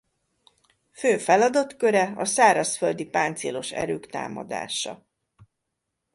Fő feladatköre a szárazföldi páncélos erők támadása.